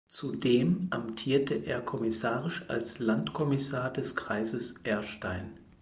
Zudem amtierte er kommissarisch als Landkommissar des Kreises Erstein.